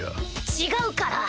違うから！